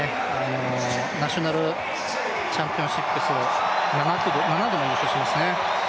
ナショナルチャンピオンシップスを７度も入賞してますね。